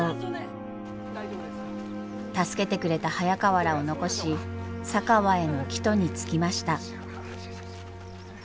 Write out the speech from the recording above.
助けてくれた早川らを残し佐川への帰途につきました。